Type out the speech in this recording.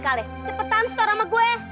kurang cepatan gantikan saya